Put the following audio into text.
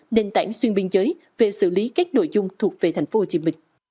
nền tảng xuyên biên giới về xử lý các nội dung thuộc về tp hcm